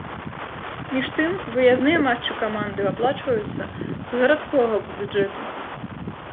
Між тым выязныя матчы каманды аплачваюцца з гарадскога бюджэту.